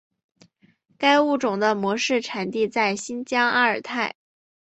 该物种的模式产地在新疆阿尔泰。